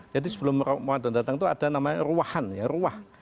jadi sebelum ramadan datang itu ada namanya ruahan ya ruah